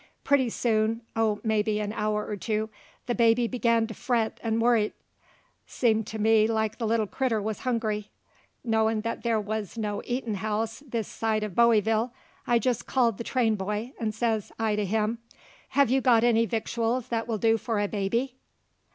Prutty soon oh, maybe in a hour or two the baby began to fret 'nd worrit. Seemed to me like the little critter wuz hungry. Knowin' that there wuz no eatin' house this side of Bowieville, I jest called the train boy, 'nd says I to him: "Hev you got any victuals that will do for a baby?"